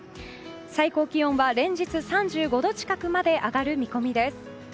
最高気温は、連日３５度近くまで上がる見込みです。